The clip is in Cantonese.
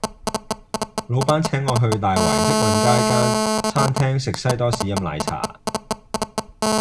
老闆請我去大圍積運街間餐廳食西多士飲奶茶